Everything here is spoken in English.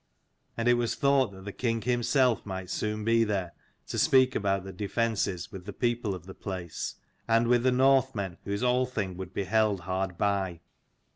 And it was thought that the king himself might soon be there, to speak about the defences with the people of the place, and with the Northmen whose Althing would soon be held hard by.